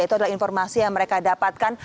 itu adalah informasi yang mereka dapatkan